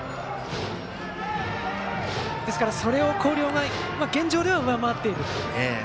それを広陵が現状では上回っていると。